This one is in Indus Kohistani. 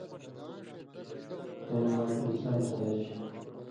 سیں ماݜ (انسان) سن٘دہ چھی۔